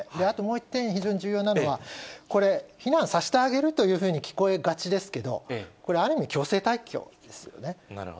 あともう一点、非常に重要なのは、これ、避難させてあげるというふうに聞こえがちですけれども、これ、ある意味、強制退去ですよね。